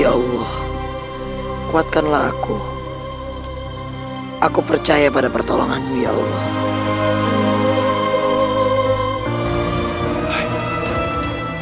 hai ya allah kuatkanlah aku aku percaya pada pertolongan ya allah